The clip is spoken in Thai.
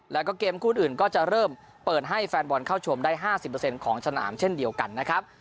แล้วก็เกมคู่อื่นก็จะเริ่มเปิดให้แฟนบอลเข้าชมได้๕๐ของสนามเช่นเดียวกันนะครับ